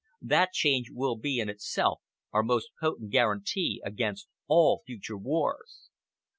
That change will be in itself our most potent guarantee against all future wars.